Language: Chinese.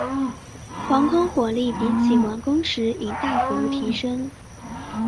防空火力比起完工时已大幅提高。